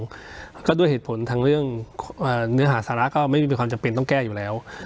ก็ด้วยเนื้อหาสรางเหตุผลทางเรื่องสาระก็ไม่มีความจำการแก้เป็นอยู่แล้ว